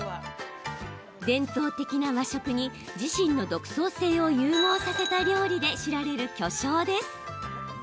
伝統的な和食に自身の独創性を融合させた料理で知られる巨匠です。